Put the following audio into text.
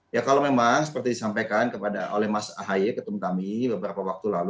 ya kalau memang seperti disampaikan oleh mas ahaye ketum kami beberapa waktu lalu